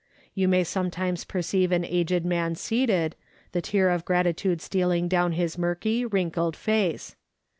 You may sometimes perceive an aged man seated, the tear of gratitude stealing down his murky, wrinkled face.